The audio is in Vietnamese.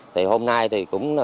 thì hôm nay thì cũng đoàn